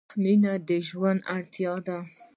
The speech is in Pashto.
• مینه د ژوند اړتیا ده.